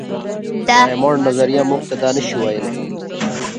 د ډایمونډ نظریه موږ ته دا نه شي ویلی.